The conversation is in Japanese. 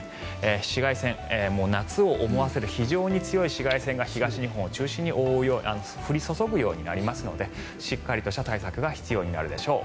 紫外線、夏を思わせる非常に強い紫外線が東日本を中心に降り注ぐようになりますのでしっかりとした対策が必要になるでしょう。